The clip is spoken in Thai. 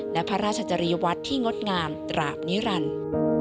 และพระราชจริยวัตรที่งดงามตราบนิรันดิ์